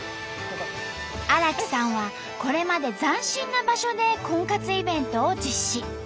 荒木さんはこれまで斬新な場所で婚活イベントを実施。